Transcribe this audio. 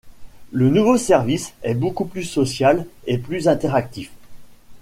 Le nouveau service est beaucoup plus social et plus interactif.